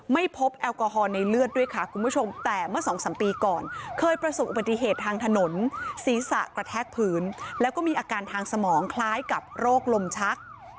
ไม่พบแอลกอฮอลในเลือดด้วยค่ะคุณผู้ชมแต่เมื่อสองสามปีก่อนเคยประสบอุบัติเหตุทางถนนศีรษะกระแทกพื้นแล้วก็มีอาการทางสมองคล้ายกับโรคลมชัก